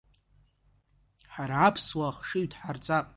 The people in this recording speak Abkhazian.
Ҳара аԥсуаа ахшыҩ дҳарҵап.